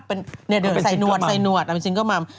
ใส่หนวดเป็นซิงเกอร์มัม